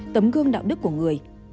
tấm gương đạo đức của người